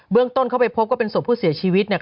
เบื้องต้นเขาไปพบว่าเป็นสวบผู้เสียชีวิตเนี่ย